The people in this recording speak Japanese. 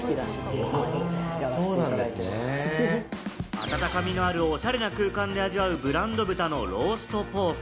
温かみのあるおしゃれな空間で味わうブランド豚のローストポーク。